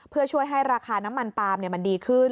เพื่อช่วยให้ราคาน้ำมันปาล์มมันดีขึ้น